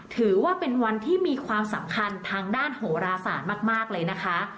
ถือว่าเป็นวันที่มีความสำคัญทางด้านโหราศาสตร์มากเลยนะคะ